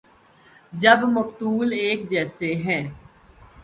جب مقتول ایک جیسے ہیں۔